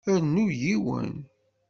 Rnu yiwen.